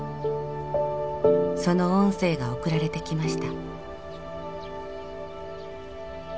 その音声が送られてきました。